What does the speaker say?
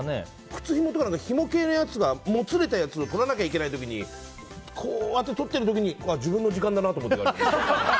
靴ひもとか、ひも系のやつがもつれたやつを取らなきゃいけない時にこうやって取ってる時に自分の時間だなと思う時ある。